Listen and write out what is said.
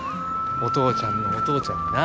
お父ちゃんのお父ちゃんにな。